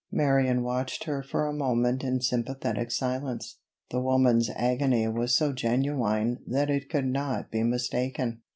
Marion watched her for a moment in sympathetic silence. The woman's agony was so genuine that it could not be mistaken.